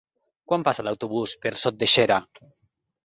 Quan passa l'autobús per Sot de Xera?